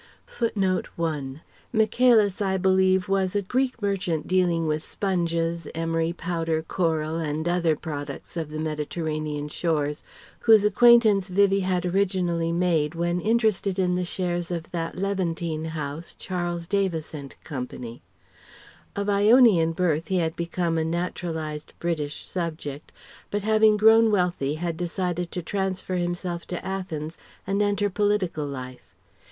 [Footnote 1: Michaelis, I believe, was a Greek merchant dealing with sponges, emery powder, coral, and other products of the Mediterranean shores whose acquaintance Vivie had originally made when interested in the shares of that Levantine house, Charles Davis and Co. Of Ionian birth he had become a naturalized British subject, but having grown wealthy had decided to transfer himself to Athens and enter political life.